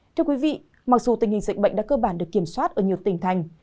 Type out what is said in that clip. thưa quý vị mặc dù tình hình dịch bệnh đã cơ bản được kiểm soát ở nhiều tỉnh thành